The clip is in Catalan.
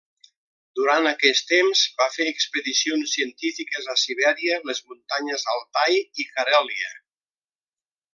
Durant aquest temps va fer expedicions científiques a Sibèria, les Muntanyes Altai i Carèlia.